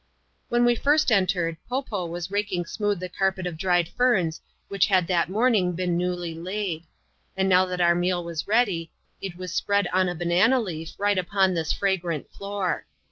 When we first entered, Po Po was raking smooth the carpet of dried ferns which had that morning been newly laid ; and now that our meal was ready, it was spread on a banana leaf, right upon this fragrant floor.